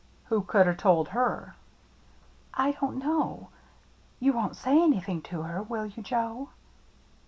WhocouldV told her?" " I don't know. You won't say anything to her, will you, Joe?